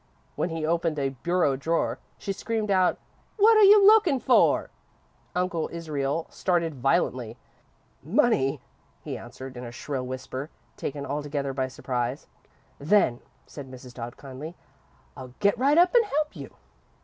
When he opened a bureau drawer, she screamed out: "What are you looking for?" Uncle Israel started violently. "Money," he answered, in a shrill whisper, taken altogether by surprise. "Then," said Mrs. Dodd, kindly, "I'll get right up and help you!"